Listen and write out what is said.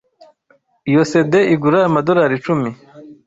Iyo CD igura amadorari icumi. (